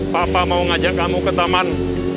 papa mau ngajak kamu ke taman